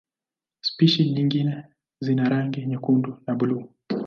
Spishi nyingine zina rangi nyekundu na buluu.